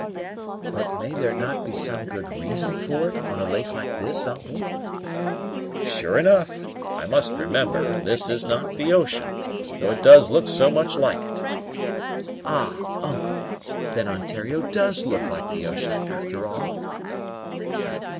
"But may there not be some good reason for it, on a lake like this, uncle?" "Sure enough I must remember this is not the ocean, though it does look so much like it." "Ah, uncle! Then Ontario does look like the ocean, after all?"